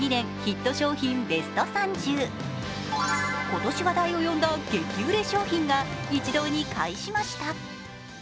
今年、話題を読んだ激売れ商品が一堂に会しました。